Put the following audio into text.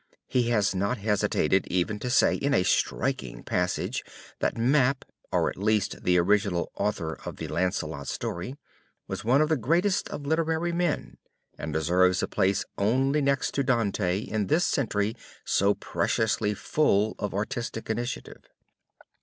He has not hesitated even to say in a striking passage that Map, or at least the original author of the Launcelot story, was one of the greatest of literary men and deserves a place only next to Dante in this century so preciously full of artistic initiative.